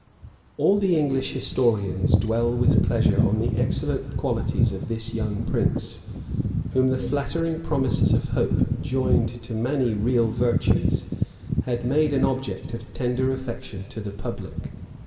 All the English historians dwell with pleasure on the excellent qualities of this young prince; whom the flattering promises of hope, joined to many real virtues, had made an object of tender affection to the public.